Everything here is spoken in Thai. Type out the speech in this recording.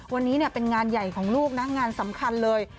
วันนี้เป็นงานใหญ่ของลูกนะงานสำคัญเลย